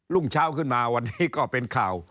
รุ่งเช้าขึ้นมาวันนี้ก็เป็นข่าว